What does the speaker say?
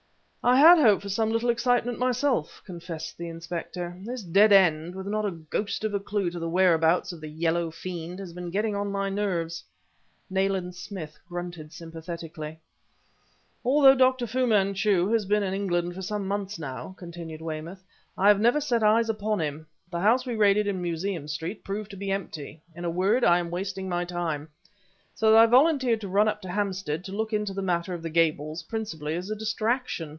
"I had hoped for some little excitement, myself," confessed the inspector. "This dead end, with not a ghost of a clue to the whereabouts of the yellow fiend, has been getting on my nerves " Nayland Smith grunted sympathetically. "Although Dr. Fu Manchu has been in England for some months, now," continued Weymouth, "I have never set eyes upon him; the house we raided in Museum Street proved to be empty; in a word, I am wasting my time. So that I volunteered to run up to Hampstead and look into the matter of the Gables, principally as a distraction.